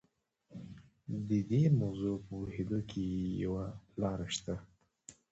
د دې موضوع په پوهېدو کې یوه لاره شته.